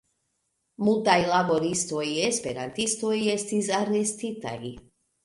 Multaj laboristoj-esperantistoj estis arestitaj.